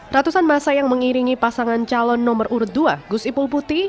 ratusan masa yang mengiringi pasangan calon nomor urut dua gus ipul putih